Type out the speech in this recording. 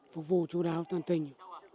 phục vụ chú đáo chân tình